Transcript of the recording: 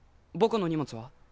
僕の荷物は？